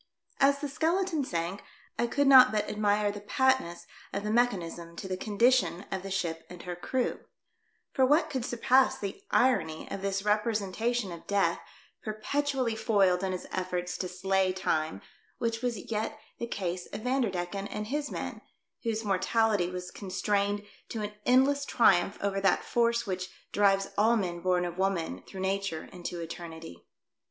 As the skeleton sank, I could not but admire the patness of the mechanism to the condition of the ship and her crew, for what could surpass the Irony of this representation THE DEATH SHIP MUST BE SLOW AT 1 LYING. 1 47 of Death perpetually foiled in his efforts to slay Time, which was yet the case of Van derdecken and his men, whose mortality was constrained to an endless triumph over that force which drives all men born of woman through Nature into Eternity.